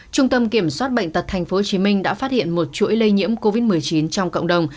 trung tâm kiểm soát bệnh tật tp hcm đã phát hiện một chuỗi lây nhiễm covid một mươi chín trong cộng đồng